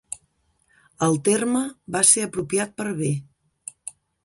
El terme va ser apropiat per B.